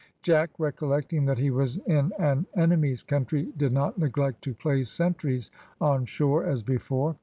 Jack, recollecting that he was in an enemy's country, did not neglect to place sentries on shore as before.